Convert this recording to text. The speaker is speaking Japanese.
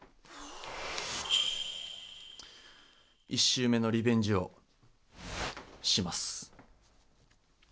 １週目のリベンジをします。